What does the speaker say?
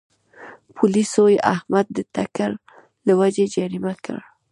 پولیسو احمد د ټکر له وجې جریمه کړ.